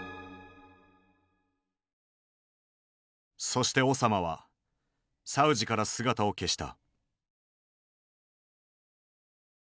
そしてオサマはサウジから姿を消した。